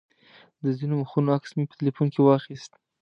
د ځینو مخونو عکس مې په تیلفون کې واخیست.